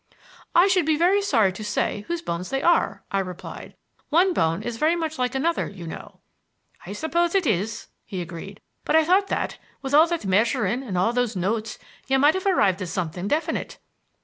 "I should be very sorry to say whose bones they are," I replied. "One bone is very much like another, you know." "I suppose it is," he agreed; "but I thought that, with all that measuring and all those notes, you might have arrived at something definite."